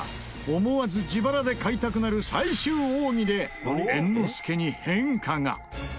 思わず自腹で買いたくなる最終奥義で猿之助に変化が玉森：